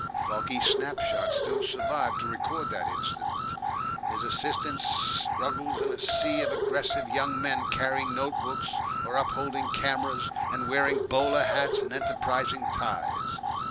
Foggy snapshots still survive to record that incident. His assistant struggles in a sea of aggressive young men carrying note books or upholding cameras and wearing bowler hats and enterprising ties.